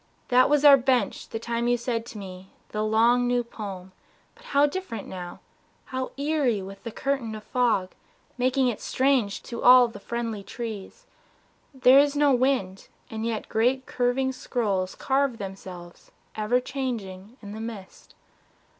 That was our bench the time you said to me The long new poem but how different now, How eerie with the curtain of the fog Making it strange to all the friendly trees! There is no wind, and yet great curving scrolls Carve themselves, ever changing, in the mist.